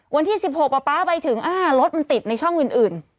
วันที่๑๖ป๊าไปถึงรถมันติดในช่องอื่น